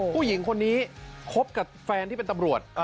ผู้หญิงคนนี้คบกับแฟนที่เป็นตำรวจ